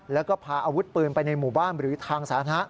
แล้วก็พาอาวุธปืนไปในหมู่บ้านหรือทางสาธารณะ